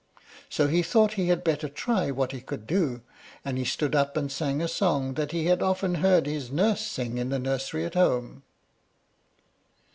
So he thought he had better try what he could do, and he stood up and sang a song that he had often heard his nurse sing in the nursery at home.